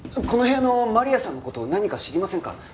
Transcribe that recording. この部屋のマリアさんの事何か知りませんか？